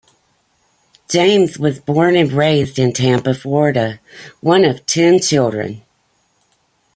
James was born and raised in Tampa, Florida, one of ten children.